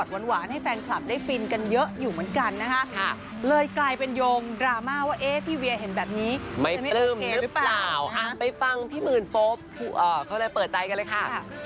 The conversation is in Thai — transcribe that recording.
ไปฟังพี่หมื่นโป๊ปเขาเลยเปิดใจกันเลยค่ะ